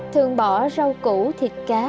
thường bỏ rau củ thịt cá